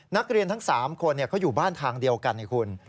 นักเรียนทั้ง๓คนเขาอยู่บ้านทางเดียวกันให้คุณ